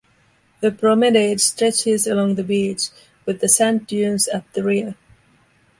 A promenade stretches along the beach, with the sand dunes at the rear.